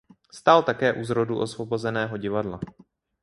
Stál také u zrodu Osvobozeného divadla.